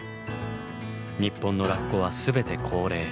日本のラッコは全て高齢。